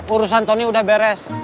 urusan tony udah beres